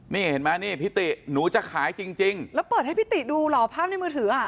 นี่เห็นไหมนี่พิติหนูจะขายจริงจริงแล้วเปิดให้พี่ติดูเหรอภาพในมือถืออ่ะ